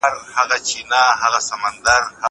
کتابونه د زده کوونکو له خوا لوستل کيږي!